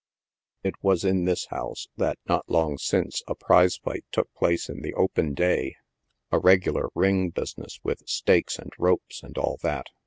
It was in this house that, not long since, a prize fight took place in the open day — a regular ring business with stakes and ropes, and all that.